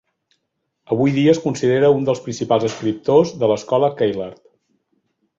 Avui dia és considera un dels principals escriptors de l'escola Kailyard.